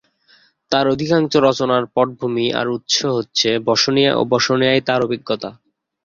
তার অধিকাংশ রচনার পটভূমি আর উৎস হচ্ছে বসনিয়া ও বসনিয়ায় তার অভিজ্ঞতা।